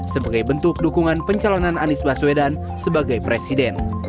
sebagai bentuk dukungan pencalonan anies baswedan sebagai presiden